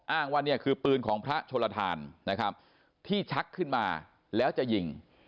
อ้างว่าเนี่ยคือปืนของพระชนลทานนะครับที่ชักขึ้นมาแล้วจะยิง